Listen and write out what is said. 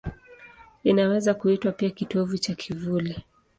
Inaweza kuitwa pia kitovu cha kivuli.